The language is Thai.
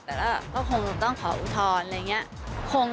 แต่ต่อก็คงต้องขออุทธรณ์ค่ะ